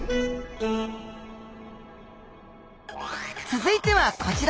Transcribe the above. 続いてはこちら。